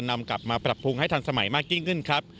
นำกลับมาปรับปรุงให้ทันสมัยมากยิ่งขึ้นครับ